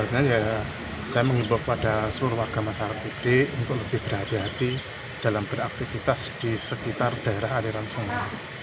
saya mengimbau kepada seluruh warga masyarakat untuk lebih berhati hati dalam beraktivitas di sekitar daerah aliran sungai